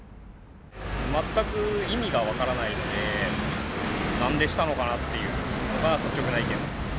全く意味が分からないので、なんでしたのかなっていうのが率直な意見です。